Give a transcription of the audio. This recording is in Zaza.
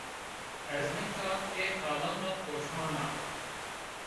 Ez nika ê qalan ra poşman a